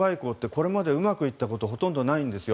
これまでうまくいったことがほとんどないんですよ。